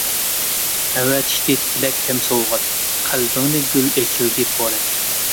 ئەۋەتىشتى تىلەك ھەم سوۋغات، قەلبىڭدە گۈل ئىچىلدى پورەك.